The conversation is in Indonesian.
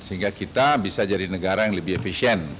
sehingga kita bisa jadi negara yang lebih efisien